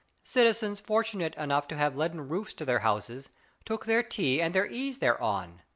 Citizens, fortunate enough to have leaden roofs to their houses, took their tea and their ease thereon.